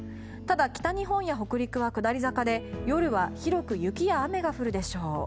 ただ、北日本や北陸は下り坂で夜は広く雪や雨が降るでしょう。